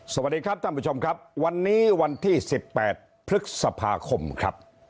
สวัสดีครับท่านผู้ชมครับวันนี้วันที่๑๘พฤษภาคมครับ